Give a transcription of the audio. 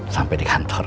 sampai di kantor